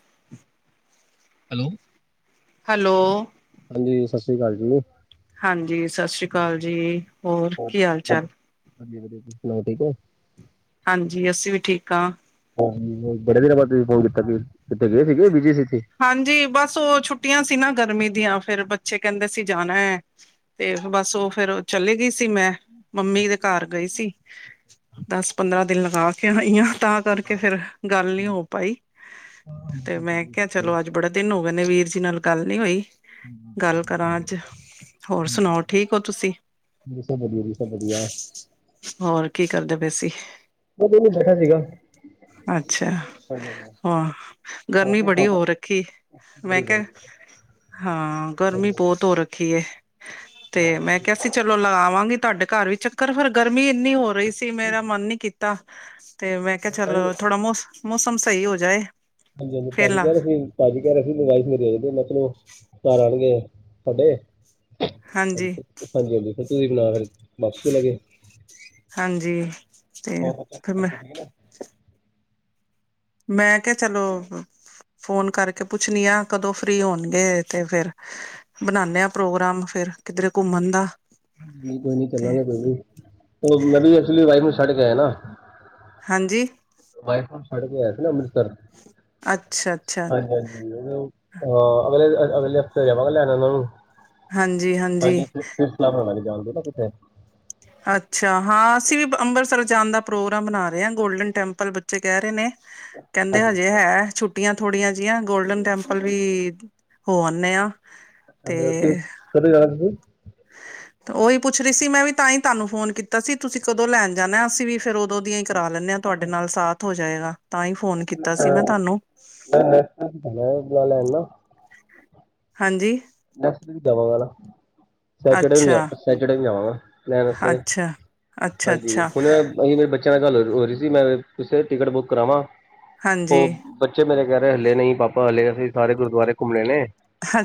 [inaudible] Hello. Hello. ਸੀ ਕਾਲ ਜੀ। ਹਾਂਜੀ ਸਤਿ ਸ੍ਰੀ ਅਕਾਲ ਜੀ। ਹੋਰ ਕੀ ਹਾਲ ਚਾਲ? ਹਾਂਜੀ ਵਧੀਆ ਤੁਸੀ ਸੁਣਾਓ ਠੀਕ ਹੋ? ਹਾਂਜੀ ਅਸੀਂ ਵੀ ਠੀਕ ਹਾਂ ਬੜੇ ਦਿਰ ਬਾਅਦ ਤੁਸੀਂ ਫੋਨ ਕੀਤਾ ਇੱਥੇ ਗਏ ਸੀਗੇ ਬੀਜੀ ਸੀ ਤੁਸੀਂ ਹਾਂਜੀ ਬਸ ਉਹ ਛੁੱਟੀਆਂ ਸੀ ਨਾ ਗਰਮੀ ਦੀਆਂ ਫੇਰ ਬੱਚੇ ਕਹਿੰਦੇ ਸੀ ਜਾਣਾ ਹੈ ਤੇ ਬਸ ਉਹ ਫੇਰ ਚਲੇ ਗਈ ਸੀ ਮੈਂ ਮੰਮੀ ਦੇ ਘਰ ਗਈ ਸੀ ਦਸ ਪੰਦਰਾਂ ਦਿਨ ਲਗਾ ਕੇ ਤਾਂ ਕਰਕੇ ਫੇਰ ਗੱਲ ਨੀ ਹੋ ਪਾਈ ਤੇ ਮੈਂ ਕਿਹਾ ਚਲੋ ਅੱਜ ਬੜੇ ਦਿਨ ਹੋ ਗਏ ਨੇ ਵੀਰ ਜੀ ਨਾਲ ਗੱਲ ਨੀ ਹੋਈ ਗੱਲ ਕਰਾਂ ਅੱਜ ਹੋਰ ਸੁਣਾਓ ਠੀਕ ਹੋ ਤੁਸੀਂ ਜੀ ਸਭ ਵਧੀਆ ਜੀ ਸਭ ਵਧੀਆ ਹੋਰ ਕੀ ਕਰਦੇ ਪਏ ਅਸੀਂ ਮੈਨੂੰ ਨੀ ਪਤਾ ਸੀਗਾ ਅੱਛਾ ਹੋਰ ਹਾਂ ਗਰਮੀ ਤੁਸੀਂ ਬੜੀ ਸੁਣਾਓ ਹੋ ਰੱਖੀ ਮੈਂ ਬੜੀ ਕਿਹਾ ਗਰਮੀ ਹਾਂ ਗਰਮੀ ਬਹੁਤ ਹੋ ਰੱਖੀ ਹੈ ਤੇ ਮੈਂ ਕਿਹਾ ਸੀ ਚਲੋ ਲਗਾਵਾਂਗੀ ਤੁਹਾਡੇ ਘਰ ਵੀ ਚੱਕਰ ਫਿਰ ਗਰਮੀ ਨੀ ਹੋ ਰਹੀ ਸੀ ਮੇਰਾ ਮਨ ਨੀ ਕੀਤਾ ਤੇ ਮੈਂ ਕਿਹਾ ਤਾਂਹੀ ਚੱਲ ਥੋੜਾ ਮਸ ਮੌਸਮ ਸਹੀ ਹੋ ਜਾਏ ਹਾਂਜੀ ਹਾਂਜੀ ਫੇਰ ਭਾਜੀ ਲਾ ਕਹਿ ਰਹੇ ਸੀ ਭਾਜੀ ਕਹਿ ਰਹੇ ਸੀ ਲਵਾਈ ਮੇਰੇ ਆਦੇ ਮਤ ਚਲੋ ਘਰ ਆਉਣਗੇ ਤੁਹਾਡੇ ਹਾਂਜੀ ਹਾਂਜੀ ਫ ਤੁਸੀਂ ਫਿਰ ਵਾਪਸ ਵੀ ਲੈ ਕੇ ਹਾਂਜੀ ਤੇ ਫਿਰ ਮੈਂ ਮੈਂ ਕਿਹਾ ਚਲੋ ਫੋਨ ਕਰਕੇ ਪੁੱਛਣੀ ਆ ਕਦੋਂ ਫ੍ਰਰੀ ਹੋਣਗੇ ਤੇ ਫੇਰ ਬਣਾਨੇ ਆ ਪ੍ਰੋਗਰਾਮ ਫਿਰ ਕਿਧਰੇ ਘੁੰਮਣ ਦਾ ਕੋਈ ਨੀ ਤੇ ਚੱਲਾਂਗੇ ਕੋਈ ਵੀ ਮੈਂ ਵੀ ਐਕਚੁਲੀ ਵਾਈਫ ਨੂੰ ਛੱਡ ਕੇ ਆਇ ਨਾ ਹਾਂਜੀ ਕੇ ਆ ਸੀ ਨਾ ਅੰਮ੍ਰਿਤਸਰ ਅੱਛਾ-ਅੱਛਾ, ਹਾਂਜੀ ਹਾਂਜੀ ਉਹ ਹਾਂ ਅਗਲੇ ਅਗਲੇ ਹਫ਼ਤੇ ਜਾਵਾਂਗਾ ਲਿਆਣਾ ਉਹਨਾਂ ਨੂੰ ਹਾਂਜੀ-ਹਾਂਜੀ। ਹਾਂਜੀ ਸਲਾ ਜਾਣ ਪਤਾ ਕਿੱਥੇ ਅੱਛਾ ਹਾਂ ਅਸੀਂ ਵੀ ਅੰਮ੍ਰਿਤਸਰ ਜਾਣ ਦਾ ਪ੍ਰੋਗਰਾਮ ਬਣਾ ਰਹੇ ਹਾਂ ਗੋਲਡਨ ਟੈਂਪਲ ਬੱਚੇ ਕਹਿ ਰਹੇ ਨੇ ਕਹਿੰਦੇ ਹਾਂਜੀ ਹਜੇ ਅੱਛਾ ਹੈ ਛੁੱਟੀ ਟੀਆਂ ਥੋੜੀਆਂ ਜਿਹੀਆਂ ਗੋਲਡਨ ਟੈਂਪਲ ਵੀ ਹੋ ਆਂਦੇ ਆ ਤੇ ਹਾਂ ਕਿੱਥੇ ਜਾਣਾ ਤੁਸੀਂ ਤੇ ਉਹੀ ਪੁੱਛ ਰਹੀ ਸੀ ਮੈਂ ਵੀ ਤਾਂ ਹੀ ਤੁਹਾਨੂੰ ਫੋਨ ਕੀਤਾ ਸੀ ਤੁਸੀਂ ਕਦੋਂ ਲੈਣ ਜਾਣਾ ਅਸੀਂ ਵੀ ਫਿਰ ਉਦੋਂ ਦੀਆਂ ਹੀ ਕਰਾ ਲੈਂਦੇ ਹਾਂ ਤੁਹਾਡੇ ਨਾਲ ਸਾਥ ਹੋ ਜਾਏਗਾ ਤਾਂ ਹੀ ਫੋਨ ਕੀਤਾ ਸੀ ਮੈਂ ਤੁਹਾਨੂੰ ਮੈਂ ਨੈਕਸਟ ਵੀਕ ਜਾਣਾ ਹੈ ਬੁਲਾ ਲੈਣ ਨਾ ਹਾਂਜੀ [inaudible] ਸੈਟਰਡੇ ਜਾ ਅੱਛਾ ਸੈਟਰਡੇ ਜਾਵਾਂਗਾ ਲੈਣ ਵਸਤੇ ਅੱਛਾ ਅੱਛਾ ਹਾਂਜੀ ਅੱਛਾ ਹੁਣ ਅਸੀਂ ਮੇਰੇ ਬੱਚਿਆਂ ਨਾਲ ਗੱਲ ਹੋ ਹੋ ਰਹੀ ਸੀ ਮੈਂ ਕਿਸੇ ਟਿਕਟ ਬੁੱਕ ਕਰਾਵਾਂ ਹਾਂਜੀ ਉਹ ਬੱਚੇ ਮੇਰੇ ਕਹਿ ਹਲੇ ਨਹੀਂ ਪਾਪਾ ਹਲੇ ਅਸੀਂ ਸਾਰੇ ਗੁਰਦੁਆਰੇ ਘੁੰਮਣੇ ਨੇ ਹਾਂ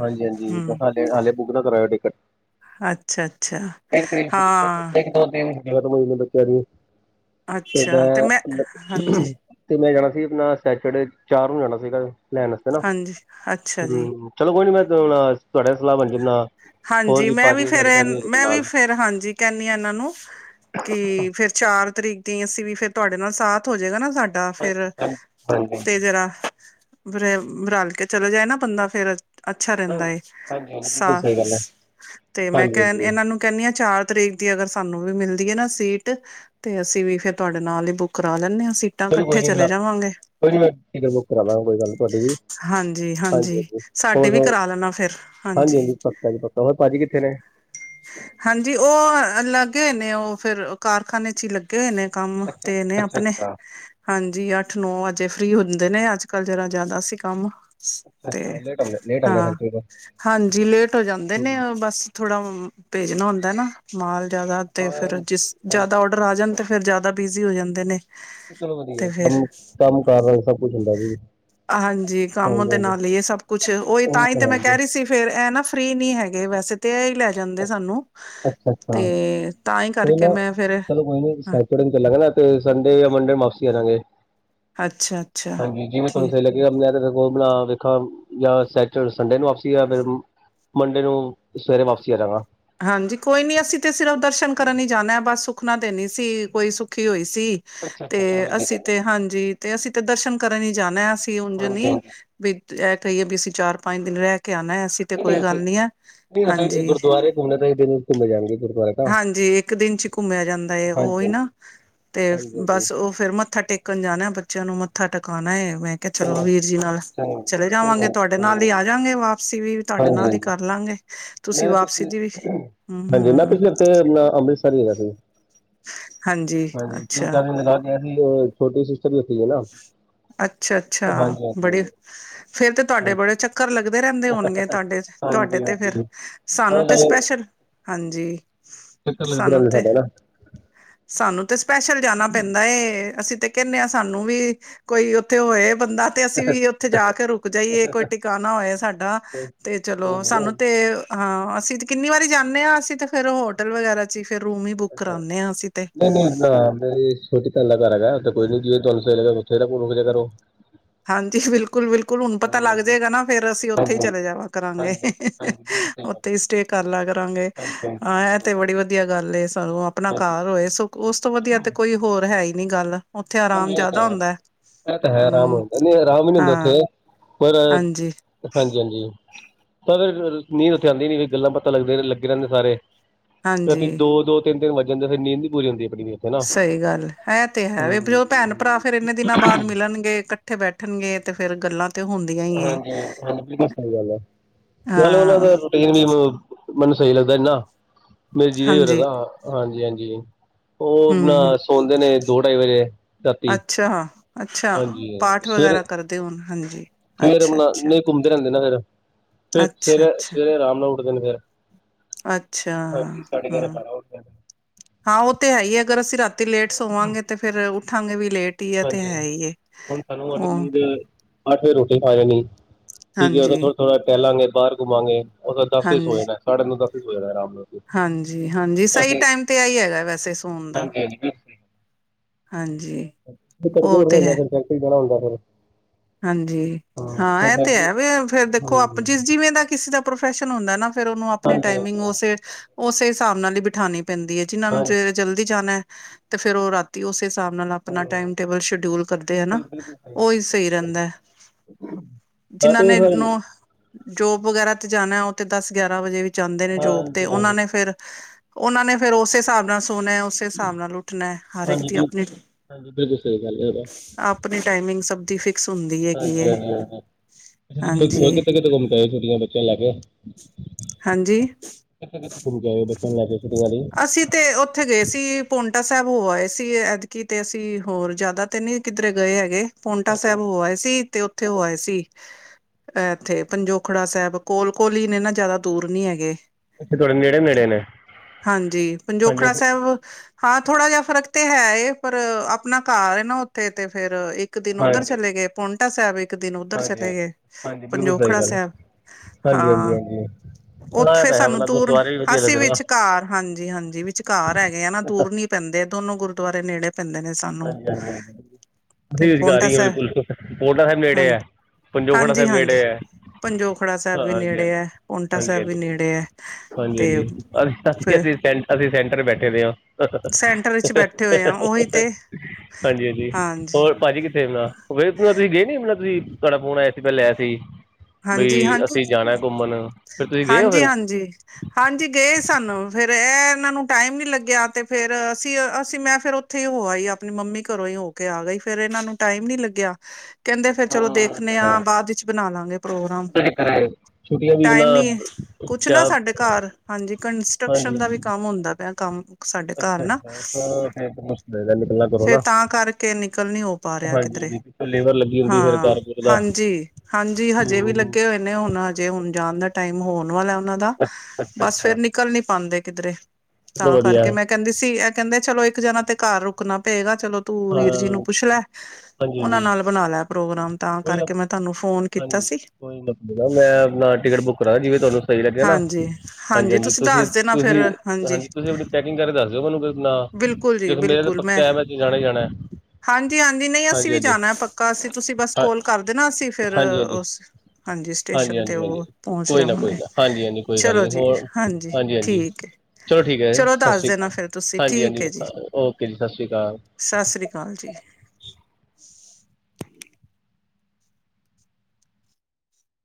ਹਾਂਜੀ ਹਾਂਜੀ ਹਾਲੇ ਹਾਲੇ ਬੁੱਕ ਨਾ ਕਰਵਾਇਓ ਟਿਕਟ ਅੱਛਾ ਅੱਛਾ ਇੱਕ ਹਾਂ ਦਿਨ ਦੋ ਦਿਨ ਖਤਮ ਹੋ ਜਾਣੀਆਂ ਬੱਚੇ ਦੀ ਤੇ ਮੈਂ ਤੇ ਮੈਂ ਜਾਣਾ ਅਸੀ ਆਪਣਾ ਸੈਚਡੇ ਚਾਰ ਨੂੰ ਜਾਣਾ ਸੀਗਾ ਲੈਣ ਵਾਸਤੇ ਨਾ ਹਾਂਜੀ, ਅੱਛਾ ਜੀ। ਹਮ ਕੋ ਨ ਮੈਂਣਾ [inaudible] ਹਾਂਜੀ ਮੈਂ ਵੀ ਭਾਜੀ ਫੇਰ ਸਾਡੀ ਫੈਮਿਲੀ ਹੋਜੇਗੀ ਮੈਂ ਵੀ ਨਾਲ ਫੇਿਰ ਹਾਂਜੀ ਕਹਿੰਦੀ ਹਾਂ ਇਹਨਾਂ ਨੂੰ ਕੀ ਫੇਰ ਚਾਰ ਤਰੀਕ ਦੀ ਅਸੀਂ ਵੀ ਫਿਰ ਤੁਹਾਡੇ ਨਾਲ ਸਾਥ ਹੋਜਏਗਾ ਨਾ ਸਾਡਾ ਫੇਰ ਹਾਂਜੀ ਹਾਂਜੀ ਹਾਂਜੀ ਤੇ ਜੇਹੜਾ ਰਲ ਕੇ ਚਲੇ ਜਾਏ ਨਾ ਬੰਦਾ ਫੇਰ ਅੱਛਾ ਰਹਿੰਦਾ ਹਾਂਜੀ ਬਿਲਕੁਲ ਸਾਂ ਸਹੀ ਗੱਲ ਹੈ ਤੇ ਮੈਂ ਹਾਂਜੀ ਕਹਿ ਹਾਂਜੀ ਇਹਨਾਂ ਨੂੰ ਕਹਿੰਦੀ ਹਾਂ ਚਾਰ ਤਰੀਕ ਦੀ ਅਗਰ ਸਾਨੂੰ ਵੀ ਮਿਲਦੀ ਹੈ ਨਾ ਸੀਟ ਤੇ ਅਸੀਂ ਵੀ ਫੇਰ ਤੁਹਾਡੇ ਨਾਲ ਹੀ ਬੁੱਕ ਕਰਾ ਲੈਂਦੇ ਹਾਂ ਚਲੋ ਕੋਈ ਨੀ ਕੋਈ ਨੀ ਮੈਂ ਟਿਕਟਾ ਬੁੱਕ ਕਰਾ ਲਵਾਂ ਗਾ ਕੋਈ ਗੱਲ ਤੁਹਾਡੀੇ ਵੀ ਹਾਂਜੀ-ਹਾਂਜੀ ਸਾਡੇ ਵੀ ਕਰਾ ਲੈਣਾ ਫਿਰ ਹਾਂਜੀ-ਹਾਂਜੀ ਪੱਕਾ ਜੀ ਪੱਕਾ ਹੋਰ ਪਾਜੀ ਕਿੱਥੇ ਨੇ ਹਾਂਜੀ ਉਹ ਲੱਗੇ ਨੇ ਉਹ ਫੇਰ ਕਾਰਖਾਨੇ ਚ ਹੀ ਲੱਗੇ ਹੋਏ ਨੇ ਕੰਮ ਅੱਛਾ ਤੇ ਨੇ ਅੱਛਾ ਆਪਣੇ ਅੱਛਾ ਹਾਂਜੀ ਅੱਠ ਨੌ ਵਜੇ ਫ੍ਰੀ ਹੋ ਹੁੰਦੇ ਨੇ ਅੱਜ ਕੱਲ੍ਹ ਜਿਹੜਾ ਜ਼ਿਆਦਾ ਸੀ ਕੰਮ ਤੇ ਅੱਛ-ਅੱਛਾ ਲੇਟ ਆਉਂਦਾ ਹਾਂ ਹਾਂਜੀ ਲੇਟ ਹੋ ਜਾਂਦੇ ਨੇ ਬਸ ਥੋੜ੍ਹਾ ਭੇਜਣਾ ਹੁੰਦਾ ਨਾ ਮਾਲ ਜਿਆਦਾ ਤੇ ਹਾਂ ਫੇਰ ਜਿਸ ਜਿਆਦਾ ਹਾਂਜੀ ਔਡਰ ਆ ਜਾਣ ਤੇ ਫੇਰ ਜ਼ਿਆਦਾ ਬਿਜ਼ੀ ਹੋ ਜਾਂਦੇ ਨੇ ਚਲੋ ਵਧੀਆ ਤੇ ਫਿਰ ਕੰਮ-ਕੰਮ ਕਰ ਰ ਸਭ ਕੁੱਛ ਹੁੰਦਾ ਸੀ ਹਾਂਜੀ ਕੰਮ ਦੇ ਨਾਲ ਹੀ ਇਹ ਸਭ ਕੁਛ ਉਹੀ ਉਹ ਤਾਂ ਹੀ ਤੇ ਹੈ ਮੈਂ ਜੀ ਕਹਿ ਰਹੀ ਸੀ ਫੇ ਫਿਰ ਇਹ ਨਾ ਫ੍ਰਰੀ ਨਹੀ ਹੈਗੇ ਵੈਸੇ ਤਾਂ ਇਹ ਲੈ ਜਾਂਦੇ ਸਾਨੂੰ ਅੱਛਾ ਅੱਛਾ ਤੇ ਤਾਂ ਹੀ ਕੋਈ ਕਰਕੇ ਮੈਂ ਫੇਰ ਹ ਹਨਾ ਤੇ ਸੰਡੇ ਜਾਂ ਮੰਡੇ ਵਾਪਸੀ ਆਾਂਗੇ ਅੱਛਾ-ਅੱਛਾ ਹਾਂਜੀ ਜਿਵੇਂ ਤੁਹਾਨੂੰ ਠੀਕ ਸਹੀ ਲਗੇ ਬਣਾ ਵੇਖਾਂ ਜਾਂ ਸੰਡੇ ਨੂੰ ਵਾਪਸੀ ਆ ਫਿਰ, ਮੱਡੇ ਨੂੰ ਸਵੇਰੇ ਵਾਪਸੀ ਆ ਜਾਵਗਾ ਹਾਂਜੀ ਕੋਈ ਨੀ ਅਸੀਂ ਤੇ ਸਿਰਫ ਦਰਸ਼ਨ ਕਰਨ ਹੀ ਜਾਂਣਾ ਬਸ ਸੁੱਖਨਾ ਤੇ ਨਹੀਂ ਸੀ ਕੋਈ ਸੁੱਖੀ ਹੋਈ ਸੀ ਸੀ ਤੇ ਹਾਂਜੀ ਅਸੀਂ ਤੇ ਹਾਂਜੀ ਤੇ ਅਸੀਂ ਤੇ ਦਰਸ਼ਨ ਕਰਨ ਹੀ ਜਾਣਾ ਅਸੀ ਉਝ ਹਾਂਜੀ ਨੀ ਵੀ ਇਹ ਕਹੀਏ ਵੀ ਅਸੀਂ ਚਾਰ ਪੰਜ ਦਿਨ ਰਹਿ ਕਹਿਣਾ ਐਸੀ ਤੇ ਨਹੀਂ ਨਹੀਂ ਕੋਈ ਉੱਥੇ ਗੱਲ ਨੀ ਆ ਨਹੀਂ ਉੱਥੇ ਹਾਂਜੀ [inaudible] ਹਾਂਜੀ, ਇੱਕ ਦਿਨ ਚ ਘੁੰਮਿਆ ਜਾਂਦਾ ਹੈ, ਹਾਂਜੀ ਉਹਹੀ ਨਾ ਹਾਂਜੀ ਤੇ ਹਾਂਜੀ ਹਾਂਜੀ ਬਸ ਉਹ ਫੇਰ ਮੱਥਾ ਟੇਕਣ ਜਾਣਾ ਬੱਚਿਆਂ ਨੂੰ। ਮੱਥਾ ਟਿਕਾਨਉਣਾ ਏ। ਮੈਂ ਕਿਹਾ, ਚਲੋ ਵੀਰ ਜੀ ਨਾਲ ਚੰਗਾ ਚਲੇ ਚਲੋ ਜਾਵਾਂਗੇ। ਤੁਹਾਡੇ ਹਾਂਜੀ ਨਾਲ ਹਾਂਜੀ ਹੀ ਆ ਜਾਗੇ ਵਾਪਸੀ ਵੀ। ਤੁਹਾਡੇ ਹਾਂਜੀ ਨਾਲ ਹਾਂਜੀ ਹੀ ਕਰ ਲਾਂਗੇ, ਤੁਸੀਂ ਮੈਂ ਵਾਪਸੀ ਪਿਛਲੇ ਦੀ ਵੀ। ਹਾਂਜੀ, ਹੂੰ-ਹੂੰ, ਪਿਛਲੇ ਉੱਥੇ ਅੰਮ੍ਰਿਤਸਰ ਹੀ ਹੈਗਾ ਸੀ। ਹਾਂਜੀ, ਤਿੰਨ-ਚਾਰ ਮਹੀ ਛੋਟੀੇ ਸੀ। ਵੀ ਉੱਥੇ ਹੀ ਹੈ ਨਾ ਅੱਛਾ-ਅੱਛਾ, ਹਾਂਜੀ ਬੜੀ ਹਾਂਜੀ ਫੇਰ ਤੇ ਤੁਹਾਡੇ ਬੜੇ ਚੱਕਰ ਲੱਗਦੇ ਰਹਿੰਦੇ। ਹੋਣਗੇ ਤੁਹਾਡੇ- ਤੁਹਾਡੇ ਤੇ ਫਿਰ ਸਾਨੂੰ ਤੇ ਹਾਂਜੀ ਸਪੈਸ਼ਲ, ਹਾਂਜੀ। ਇਕ ਲੈਬਰਾ ਸਾਨੂੰ ਨੇ ਤੇ ਸਾਡਾ ਨਾ। ਸਾਨੂੰ ਤੇ ਸਪੈਸ਼ਲ ਜਾਣਾ ਪੈਂਦਾ ਏ, ਅਸੀਂ ਤੇ ਕਹਿੰਦੇ ਹਾਂ ਸਾਨੂੰ ਵੀ ਕੋਈ ਉੱਥੇ ਹੋਏ। ਬੰਦਾ ਤੇ ਅਸੀਂ ਵੀ ਉੱਥੇ ਜਾ ਕੇ ਰੁਕ ਜਾਈਏ, ਕੋਈ ਟਿਕਾਣਾ ਹੋਏ ਸਾਡਾ, ਤੇ ਚਲੋ ਸਾਨੂੰ ਤੇ ਹਾਂ, ਅਸੀਂ ਕਿੰਨੀ ਵਾਰੀ ਜਾਨੇ ਆ, ਅਸੀਂ ਤਾਂ ਫਿਰ ਹੋਟਲ ਵਗੈਰਾ ਚੀ ਅੱਛਾ, ਨਹੀਂ-ਨਹੀਂ ਨਾ ਮੇਰੀ ਛੋਟੀ ਕੱਲਾ ਘਰ ਹੈਗਾ, ਉਥੇ ਕੋਈ ਕਵੇ ਤੁਹਾਨੂੰ ਸਵੇਰੇ ਉੱਠ ਜਿਆ ਕਰੋ। ਹਾਂਜੀ, ਬਿਲਕੁਲ-ਬਿਲਕੁਲ। ਬਿਲਕੁਲ, ਹੁਣ ਪਤਾ ਲੱਗ ਜੇਗਾ ਨਾ ਫੇਰ ਅਸੀਂ ਉੱਥੇ ਹੀ ਚਲੇ ਜਾਵਾ ਕਰਾਂਗੇ, ਉੱਥੇ ਹੀ ਸਟੇਅ ਕਰ ਲਾਂਗੇ। ਕਰਾਂਗੇ, ਹਾਂ ਇਹ ਤੇ ਬੜੀ ਵਧੀਆ ਗੱਲ ਏ, ਸਾਨੂੰ ਆਪਣਾ ਘਰ ਹੋਵੇ, ਉਸ ਤੋਂ ਵਧੀਆ ਤੇ ਕੋਈ ਹੋਰ ਹੈ ਹੀ ਨਹੀ। ਨੀ ਗੱਲ, ਉੱਥੇ ਆਰਾਮ ਜਿਆਦਾ ਹੁੰਦਾ ਇਹ ਤਾਂ ਹੈ ਆਰਾਮ ਹੂੰ। ਹੁੰਦਾ ਨਹੀਂ ਆਰਾਮ ਵੀ ਨੀ ਹੁੰਦਾ ਹਾਂ ਉੱਥੇ, ਪਰ ਹਾਂਜੀ-ਹਾਂਜੀ। ਹਾਂਜੀ-ਹਾਂਜੀ, ਤਾਂ ਫਿਰ ਨੀਂਦ ਉੱਥੇ ਆਂਦੀ ਨੀ, ਗੱਲਾਂ ਬਾਤਾਂ ਲੱਗੇ-ਲੱਗੇ ਰਹਿੰਦੇ ਸਾਰੇ ਦੋ-ਦੋ, ਤਿੰਨ- ਤਿੰਨ ਜਾਂ ਫਿਰ ਨੀਂਦ ਨੀ ਪੂਰੀ ਹੁੰਦੀ। ਆਪਣੀ ਵੀ ਉੱਥੇ ਨਾ ਸਹੀ ਗੱਲ ਐ, ਹੈ ਤੇ ਹੈ ਵੀ ਉਹ- ਭੈਣ -ਭਰਾ ਫ਼ਿਰ ਇੰਨੇ ਦਿਨਾਂ ਬਾਅਦ ਮਿਲਣਗੇ, ਇਕੱਠੇ ਬੈਠਣਗੇ ਤੇ ਫਿਰ ਗੱਲਾਂ ਤੇ ਹੁੰਦੀਆਂ ਹੀ ਏ ਹਾਂਜੀ -ਹਾਂਜੀ ਬਿਲਕੁਲ ਸਹੀ ਗੱਲ ਐ, ਨਾਲੇ ਉਹਨਾਂ ਹਾਂ ਦਾ ਰੂਟੀਨ ਈ ਮੈਨੂੰ ਸਹੀ ਲੱਗਦਾ ਇੰਨਾ, ਮੇਰੇ ਜੀ ਜਾ ਨੀ ਹਾਂਜੀ ਲੱਗਦਾ, ਹਾਂਜੀ- ਹਾਂਜੀ। ਉਹ ਨਾ ਹੂੰ ਸੌਦੇ ਨੇ ਦੋ ਢਾਈ ਵਜੇ ਰਾਤੀ, ਅੱਛਾ ਅੱਛਾ ਹਾਂਜੀ ਪਾਠ ਸਵੇ ਵਗੈਰਾ ਕਰਦੇ ਹੋਣ, ਹਾਂਜੀ। ਫੇਰ ਅੱਛਾ-ਅੱਛਾ। ਨਹੀਂ ਘੁੰਮਦੇ ਰਹਿੰਦੇ ਨਾ ਫਿਰ, ਫੇਰ ਸਵੇਰੇ ਅੱਛਾ-ਅੱਛਾ, -ਸਵੇਰੇ ਆਰਾਮ ਨਾਲ ਉੱਠਦੇ ਨੇ ਫਿਰ। ਅੱਛਾ, ਅੱਛਾ, ਹਾਂਜੀ, ਸਾਡੇ ਘਰ ਹੂੰ। ਪਰਾ ਹੁੰਦਾ। ਹਾਂ, ਉਹ ਤੇ ਹੈ ਹੀ ਹੈ, ਅਗਰ ਅਸੀਂ ਰਾਤੀ ਲੇਟ ਸੋਵਾਂਗੇ, ਤੇ ਫੇਰ ਉੱਠਾਂਗੇ ਵੀ ਲੇਟ ਹੀ ਆ, ਤੇ ਹੈ ਹੀ ਐ ਉਹ। ਅੱਠ ਵਜੇ ਰੋਟੀ ਖਾ ਜਾਣੀ ਠੀਕ ਐ, ਉਦੋਂ ਹਾਂਜੀ, ਥੋੜ੍ਹਾ- ਥੋੜ੍ਹਾ ਟਹਿਲਾਂਗੇ ਬਾਹਰ ਘੁੰਮਾਂਗੇ। ਉਹ ਤਾਂ ਦਸ ਹੀ ਸੋ ਹਾਂਜੀ, ਜਾਂਦੇ, ਸਾਢੇ ਦਸ ਨੂੰ ਹੀ ਸੋ ਜਾਂਦਾ ਰਾਮ। ਹਾਂਜੀ -ਹਾਂਜੀ, ਸਹੀ ਟਾਈਮ ਤੇ ਆਈ ਹੈਗਾ, ਵੈਸੇ ਸੋਣ ਦਾ। ਹਾਂਜੀ, ਤੜਕੇ ਉਹ ਉੱਠਕੇ ਤੇ ਹੈ ਫਿਰ ਫੈਕਟਰੀ ਜਾਣਾ ਹੁੰਦਾ ਫਿਰ। ਹਾਂਜੀ ਹਾਂ ਇਹ ਤੇ ਹੈ ਵੀ ਫਿਰ ਦੇਖੋ, ਆਪ ਜਿਸ ਜਿਵੇਂ ਦਾ ਕਿਸੇ ਦਾ ਪ੍ਰੋਫੈਸ਼ ਹੁੰਦਾ ਨਾ ਫ਼ਿਰ ਉਹਨੂੰ ਆਪਣੀ ਟਾਈਮਿੰਗ ਉਸੇ -ਉਸੇ ਹਿਸਾਬ ਨਾਲ ਹੀ ਬਿਠਾਣੀ ਪੈਂਦੀ ਹੈ ਜਿਹਨਾਂ ਨੂੰ ਜੇ ਜਲਦੀ ਜਾਣਾ, ਤੇ ਫੇਰ ਉਹ ਰਾਤੀ ਉਸ ਹਿਸਾਬ ਨਾਲ ਆਪਣਾ ਟਾਇਮ ਟੇਬਲ ਸ਼ਡਿਊਲ ਕਰਦੇ ਹੈ ਨਾ, ਉਹ ਇਸ ਰਹਿੰਦਾ, ਹਾਂ ਜਿੰਨਾਂ ਤੇ ਨੇ ਸਰ ਨੂੰ ਜੋਬ ਵਗੈਰਾ ਤੇ ਜਾਣਾ ਉਹ ਤੇ ਦਸ ਗਿਆਰਾਂ ਵਜੇ ਵੀ ਜਾਂਦੇ ਨੇ ਜੋਬ ਤੇ, ਉਹਨਾਂ ਨੇ ਫਿਰ ਉਹਨਾਂ ਨੇ ਫਿਰ ਉਸੇ ਹਿਸਾਬ ਨਾਲ ਸੋਣਾ, ਉਸੇ ਹਿਸਾਬ ਨਾਲ ਉੱਠਣਾ, ਹਰ ਇੱਕ ਦੀ ਆਪਣੀ ਹਾਂਜੀ ਬਿਲਕੁਲ ਸਹੀ ਗੱਲ ਹੈ ਆਪਣੀ ਟਾਈਮਿੰਗ ਸਭ ਦੀ ਫਿਕਸ ਹੁੰਦੀ ਹੈਗੀ ਹਾਂਜੀ- ਏ। ਹਾਂਜੀ-ਹਾਂਜੀ, ਹਾਂਜੀ ਕਿਥੇ -ਕਿਥੇ ਘੁੰਮ ਕੇ ਆਏ ਛੁੱਟੀਆਂ ਚ ਬੱਚਿਆਂ ਨੂੰ ਲੈ ਕੇ। ਹਾਂਜੀ [inaudible] ਅਸੀਂ ਤੇ ਉੱਥੇ ਗਏ ਸੀ, ਪੁਣ ਪੌਂਟਾ ਸਾਹਿਬ ਹੋ ਆਏ ਸੀ, ਐਤਕੀ ਤੇ ਅਸੀਂ ਹੋਰ ਜ਼ਿਆਦਾ ਤੇ ਨਹੀਂ ਕਿੱਧਰੇ ਗਏ ਹੈਗੇ। ਪਾਉਂਟਾ ਸਾਹਿਬ ਹੋ ਆਏ ਸੀ, ਤੇ ਉੱਥੇ ਹੋ ਆਏ ਸੀ। ਇੱਥੇ ਪੰਜੋਖੜਾ ਸਾਹਿਬ ਕੋਲ- ਕੋਲ ਹੀ ਨੇ, ਨਾ ਜ਼ਿਆਦਾ ਦੂਰ ਨੀ ਹੈਗੇ। ਅੱਛਾ, ਤੁਹਾਡੇ ਨੇੜੇ- ਨੇੜੇ ਨੇ। ਹਾਂਜੀ, ਪੰਜੋਖੜਾ ਸਾਹਿਬ ਹਾਂ ਥੋੜਾ ਜੇ ਫਰਕ ਤੇ ਹੈ, ਪਰ ਆਪਣਾ ਘਰ ਹੈ ਨਾ ਉੱਥੇ ਤੇ ਫੇਰ ਇੱਕ ਦਿਨ ਉੱਧਰ ਹਾਂਜੀ ਚਲੇ ਗਏ ਪੌਂਟਾ ਸਾਹਿਬ, ਇੱਕ ਇੱਕ ਦਿਨ ਉੱਧਰ ਚਲੇ ਗਏ ਹਾਂਜੀ ਬਿਲਕੁਲ ਸਹੀ ਪੰਜੋਖੜਾ ਗੱਲ ਸਾਹਿਬ ਹਾਂਜੀ ਹਾਂਜੀ ਹਾਂ ਹਾਂਜੀ ਇਹ ਉੱਥੇ ਤਾਂ ਹੈ ਸਾਨੂੰ ਮਤਲਬ ਦੂਰ ਗੁਰਦੁਆਰੇ ਵੀ ਵਧੀਆ ਹਸੀ ਲੱਗਦੇ ਨੇ ਨਾ ਵਿੱਚ ਕਾਰ ਹਾਂਜੀ ਹਾਂਜੀ ਵਿਚਕਾਰ ਹੈਗੇ ਆ ਨਾ ਦੂਰ ਨੀ ਪੈਂਦੇ ਦੋਨੋ ਗੁਰਦੁਆਰੇ ਨੇੜੇ ਪੈਂਦੇ ਨੇ ਸਾਨੂੰ ਹਾਂਜੀ ਹਾਂਜੀ ਹਾਂਜੀ ਤੇ ਅਸੀਂ ਪੋਂਟਾ ਰੁਜ਼ਗਾਰੀ ਹਾਂ ਸਾਹਿਬ ਬਿਲਕੁਲ ਪੋਟਾ ਸਾਹਿਬ ਹਾਂ ਨੇੜੇ ਹੈ ਪੰਜੋਖੜਾ ਹਾਂਜੀ ਸਾਹਿਬ ਹਾਂਜੀ ਨੇੜੇ ਹੈ ਪੰਜੋਖੜਾ ਸਾਹਿਬ ਹਾਂ ਵੀ ਹਾਂਜੀ ਹਾਂਜੀ ਨੇੜੇ ਹੈ ਪੋਂਟਾ ਹਾਂਜੀ ਸਾਹਿਬ ਵੀ ਹਾਂਜੀ ਨੇੜੇ ਹੈ ਹਾਂਜੀ ਤੇ ਹਾਂਜੀ ਫਿਰ ਅਸੀਂ ਸੈਂ ਅਸੀਂ ਸੈਂਟਰ ਬੈਠੇ ਦੇ ਹਾ ਸੈਂਟਰ ਵਿੱਚ ਬੈਠੇ ਹੋਏ ਆ ਉਹੀ ਤੇ ਹਾਂਜੀ ਹਾਂਜੀ ਹੋਰ ਭਾਜੀ ਕਿੱਥੇਣਾ [unintelligible] ਤੁਸੀਂ ਗਏ ਨੀਣਾ ਤੁਸੀਂ ਤੁਹਾਡਾ ਫੋਨ ਆਇ ਸੀ ਪਹਿਲੇ ਆਇਆ ਸੀ ਬਈ ਹਾਂਜੀ ਹਾਂਜੀ ਅਸੀਂ ਜਾਣਾ ਘੁੰਮਣ ਫਿਰ ਤੁਸੀਂ ਗਏ ਹੋ ਹਾਂਜੀ ਫਿਰ ਹਾਂਜੀ ਹਾਂਜੀ ਗਏ ਸਾਨੂੰ ਫੇਰ ਇਹ ਇਹਨਾਂ ਨੂੰ ਟਾਈਮ ਨੀ ਲੱਗਿਆ ਤੇ ਫੇਰ ਅਸੀਂ ਅਸੀਂ ਮੈਂ ਫਿਰ ਉੱਥੇ ਹੀ ਹੋਆਈ ਆਪਣੀ ਮੰਮੀ ਘਰੋਂ ਹੀ ਹੋ ਕੇ ਆ ਗਈ ਫੇਰ ਇਹਨਾਂ ਨੂੰ ਟਾਈਮ ਨੀ ਲੱਗਿਆ ਕਹਿੰਦੇ ਫੇਰ ਚਲੋ ਦੇਖਣੇ ਆਾਂ ਬਾਅਦ ਵਿੱਚ ਬਣਾ ਲਾ ਪ੍ਰੋਗਰਾਮ ਛੁੱਟੀਆਂ ਵੀ ਨਾ ਟਾਈਮ ਨੀ ਕੁਛ ਨਾ ਚਾ ਸਾਡੇ ਘਰ ਹਾਂਜੀ ਹਾਂਜੀ ਕੰਸਟਰਕਸ਼ਨ ਦਾ ਵੀ ਹਾਂਜੀ ਕੰਮ ਹੁੰਦਾ ਪਿਆ ਕੰਮ ਸਾਡੇ ਘਰ ਅੱਛਾ ਨਾ ਅੱਛਾ ਹਾਂ ਫੇਰ ਤਾਂ ਮੁਸ਼ਕਿਲ ਇਹਦਾ ਨਿਕਲਣਾ ਕਰੋ ਫੇਰ ਨਾ ਤਾਂ ਕਰਕੇ ਨਿਕਲ ਨੀ ਹੋ ਪਾ ਰਿਹਾ ਹਾਂਜੀ ਕਿਧਰੇ ਹਾਂਜੀ ਪਿੱਛੋਂ ਲੇਬਰ ਲੱਗੀ ਹੁੰਦੀ ਫਿਰ ਹਾਂ ਕਾਰਪੋਰ ਦਾ ਹਾਂਜੀ ਹਾਂਜੀ ਹਾਂਜੀ ਹਜੇ ਵੀ ਹੂੰ ਲੱਗੇ ਹੋਏ ਨੇ ਹੁਣ ਹਜੇ ਹੁਣ ਜਾਣ ਦਾ ਟਾਈਮ ਹੋਣ ਵਾਲਾ ਹੈ ਉਹਨਾਂ ਦਾ ਬਸ ਫੇਰ ਨਿਕਲ ਨੀ ਪਾਂਦੇ ਕਿਧਰੇ ਚਲੋ ਤਾਂ ਵਧੀਆ ਕਰਕੇ ਮੈਂ ਕਹਿੰਦੀ ਸੀ ਇਹ ਕਹਿੰਦੇ ਚਲੋ ਇੱਕ ਜਣਾ ਤੇ ਘਰ ਰੁਕਣਾ ਪਏਗਾ‌ ਚਲੋ ਤੂੰ ਹਾਂ ਵੀਰ ਜੀ ਨੂੰ ਪੁੱਛ ਲੈ ਹਾਂਜੀ ਉਹਨਾਂ ਹਾਂਜੀ ਨਾਲ ਬਣਾ ਲੈ ਪ੍ਰੋਗਰਾਮ ਤਾਂ ਕੋਈ ਨਾ ਕਰਕੇ ਮੈਂ ਤੁਹਾਨੂੰ ਫੋਨ ਕਿ ਹਾਂਜੀ ਕੋਈ ਨਹੀ ਨਾ ਮੈਂ ਟਿਕਟ ਬੁੱਕ ਕਰਾਂ ਜਿਵੇਂ ਤੁਹਾਨੂੰ ਸਹੀ ਲੱਗੇ ਨਾ ਹਾਂਜੀ ਹਾਂਜੀ ਹਾਂਜੀ ਤੁਸੀਂ ਦੱਸ ਦੇਣਾ ਤੁਸੀਂ ਫਿਰ ਹਾਂਜੀ ਤੁਸੀਂ ਆਪਣੀ ਪੈਕਿੰਗ ਕਰਕੇ ਦੱਸ ਦਿਓ ਮੈਨੂੰ ਨਾ ਬਿਲਕੁਲ ਜੀ ਦੇਖੋ ਮੇਰੇ ਦਾ ਬਿਲਕੁਲ ਮੈਂ ਪੱਕਾ ਐਮ ਜਾਣਾ ਹੀ ਜਾਣਾ। ਹਾਂਜੀ- ਹਾਂਜੀ ਨਹੀਂ ਅਸੀਂ ਵੀ ਜਾਣਾ ਪੱਕਾ ਅਸੀਂ, ਤੁਸੀਂ ਬਸ ਹਾਂ ਕੋਲ ਕਰ ਦੇਣਾ, ਅਸੀਂ ਫਿਰ ਹਾਂਜੀ ਹਾਂਜੀ ਉਸ ਹਾਂਜੀ ਸਟੇਸ਼ਨ ਤੇ ਹਾਂਜੀ ਹਾਂਜੀ ਉਹ ਪਹੁੰਚ ਕੋਈ ਨਾ ਕੋਈ ਜਾਵਾਂਗੇ, ਨਾ ਹਾਂਜੀ ਹਾਂਜੀ ਕੋਈ ਗੱਲ ਚਲੋ ਨਹੀਂ ਜੀ ਹੋਰ ਹਾਂਜੀ ਹਾਂਜੀ ਠੀਕ ਹੈ। ਠੀਕ ਹੈ ਚਲੋ ਸਤਿ ਦੱਸ ਸ਼੍ਰੀ ਅਕਾਲ ਦੇਣਾ ਫਿਰ ਤੁਸੀਂ ਹਾਂਜੀ ਠੀਕ ਹੈ ਹਾਂਜੀ ਜੀ। ਓਕੇ ਜੀ ਸਤਿ ਸ਼੍ਰੀ ਅਕਾਲ ਸਤਿ ਸ੍ਰੀ ਅਕਾਲ ਜੀ।